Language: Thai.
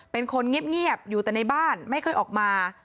เป็นคนเงียบอยู่แต่ในบ้านไม่ค่อยออกมา